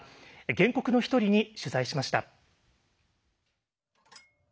原告の一人に取材しました。